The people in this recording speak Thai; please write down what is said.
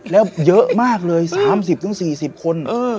แล้วเยอะมากเลย๓๐๔๐คน